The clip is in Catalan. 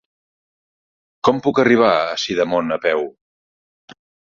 Com puc arribar a Sidamon a peu?